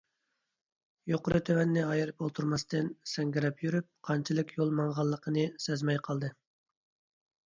يۇقىرى - تۆۋەننى ئايرىپ ئولتۇرماستىن، سەڭگىرەپ يۈرۈپ، قانچىلىك يول ماڭغانلىقىنى سەزمەي قالدى.